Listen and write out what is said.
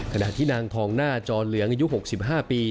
ขณะที่นางทองหน้าจอเหลืองอายุ๖๕ปี